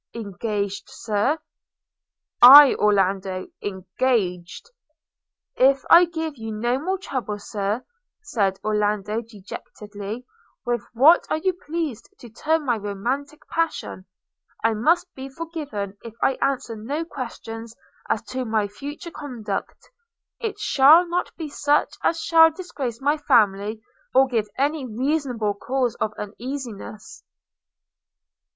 'Engaged, Sir!' 'Aye, Orlando – engaged?' 'If I give you no more trouble, Sir,' said Orlando dejectedly, 'with what you are pleased to term my romantic passion, I must be forgiven if I answer no questions as to my future conduct; it shall not be such as shall disgrace my family, or give any reasonable cause of uneasiness.'